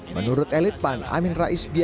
menurut elit pan amin rais